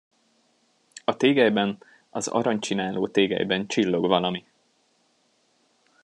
A tégelyben, az aranycsináló tégelyben csillog valami!